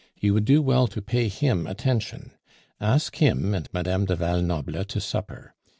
You would do well to pay him attention; ask him and Mme. du Val Noble to supper.